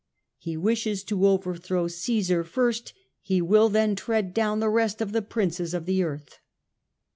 He wishes to overthrow Caesar first ; he will then tread down the rest of the Princes of the earth."